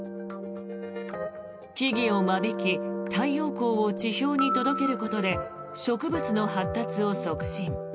木々を間引き太陽光を地表に届けることで植物の発達を促進。